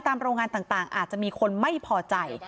โรงงานต่างอาจจะมีคนไม่พอใจ